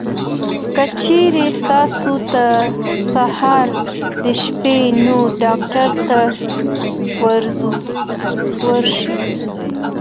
که چېرې تاسو ته اسهال درشي، نو ډاکټر ته ورشئ.